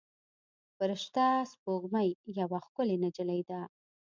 فرشته سپوږمۍ یوه ښکلې نجلۍ ده.